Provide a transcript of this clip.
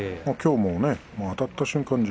きょうもあたった瞬間